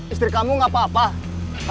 istri kamu gak apa apa